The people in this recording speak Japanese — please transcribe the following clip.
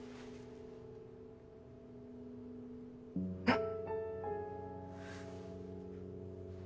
えっ。